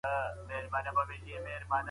رسوت اخيستنه په ادارو کي عامه سوې وه.